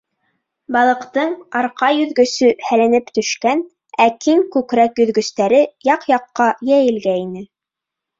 Балыҡтың арҡа йөҙгөсө һәленеп төшкән, ә киң күкрәк йөҙгөстәре яҡ-яҡҡа йәйелгәйне.